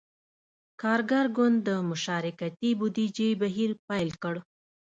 کارګر ګوند د »مشارکتي بودیجې« بهیر پیل کړ.